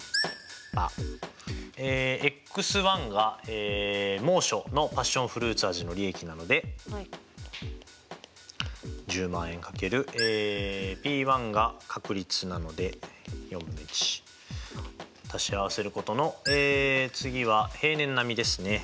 ｘが猛暑のパッションフルーツ味の利益なので１００，０００円掛けるえｐが確率なので４分の１。足し合わせることの次は平年並みですね。